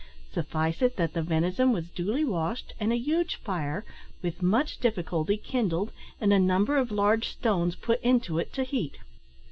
Suffice it that the venison was duly washed, and a huge fire, with much difficulty, kindled, and a number of large stones put into it to heat.